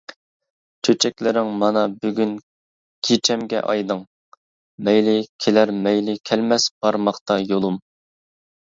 چۆچەكلىرىڭ مانا بۈگۈن كېچەمگە ئايدىڭ ، مەيلى كېلەر مەيلى كەلمەس بارماقتا يولۇم .